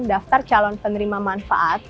daftar calon penerima manfaat